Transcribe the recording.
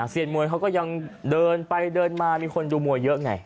เสียงมัวเขาก็ยังเดินไปเดินมามีคนดูมัวเยอะไง